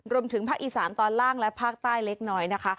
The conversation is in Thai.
รวมถึงภาคอีสานตอนล่างและภาคใต้เล็กน้อยนะคะ